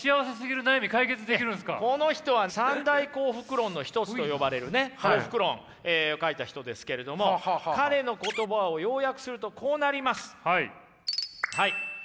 この人は三大幸福論の一つと呼ばれるね「幸福論」書いた人ですけれども彼の言葉を要約するとこうなります。